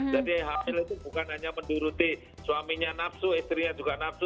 jadi hamil itu bukan hanya menuruti suaminya nafsu istrinya juga nafsu